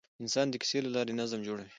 انسان د کیسې له لارې نظم جوړوي.